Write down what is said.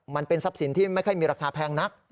มันเป็นทรัพย์สินที่ไม่ค่อยมีราคาแพงนัก